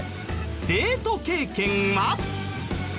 デート経験は。